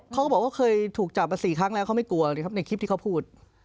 เขาก็บอกว่าเคยถูกจับมา๔ครั้งแล้วเขาไม่กลัวเลยครับในคลิปที่เขาพูด